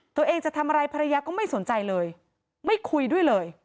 ตัวเองจะทำอะไรภรรยาก็ไม่สนใจเลยไม่คุยด้วยเลย